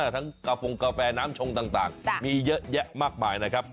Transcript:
ทั้งกาโฟงกาแฟน้ำชงต่างมีเยอะแยะมากมายนะครับ